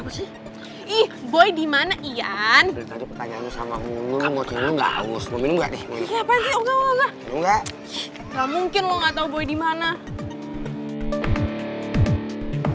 si iboy dimana ian mau minum nggak mungkin lo nggak tau boy dimana